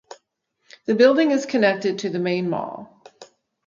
The building is connected to the main mall.